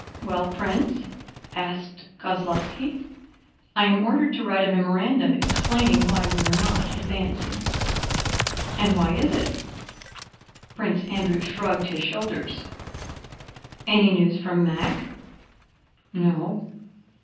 "Well, Prince?" asked Kozlóvski. "I am ordered to write a memorandum explaining why we are not advancing." "And why is it?" Prince Andrew shrugged his shoulders. "Any news from Mack?" "No."